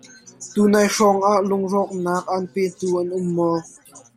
Tunai hrawng ah lungrawknak an petu an um maw?